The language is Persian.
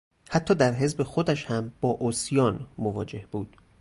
حتی در حزب خودش هم با عصیان مواجه بود.